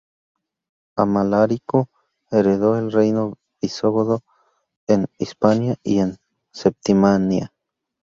Amalarico heredó el reino visigodo en Hispania y en Septimania.